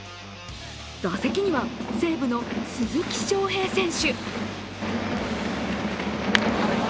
打席には、西武の鈴木将平選手。